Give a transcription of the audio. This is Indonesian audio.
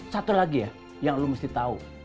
satu lagi ya yang lo mesti tau